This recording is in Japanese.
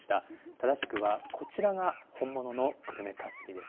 正しくはこちらが本物の久留米かすりです。